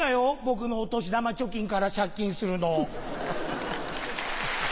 僕のお年玉貯金から借金するの。